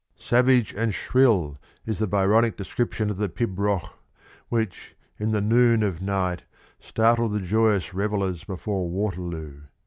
"Savage and shrill" is the Byronic description of the pibroch, which, in the "noon of night," startled the joyous revellers before Waterloo.